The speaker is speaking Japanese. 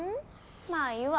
まあいいわ。